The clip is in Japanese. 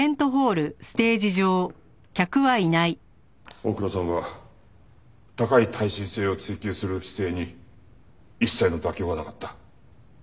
大倉さんは高い耐震性を追求する姿勢に一切の妥協がなかった。